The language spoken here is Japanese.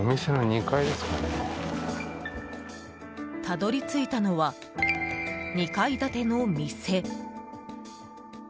たどり着いたのは２階建ての店。